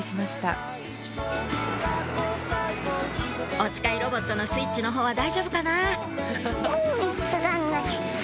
おつかいロボットのスイッチのほうは大丈夫かな？